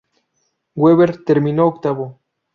Webber terminó octavo.